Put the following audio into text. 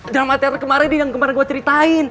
drama teror kemarin yang kemarin gue ceritain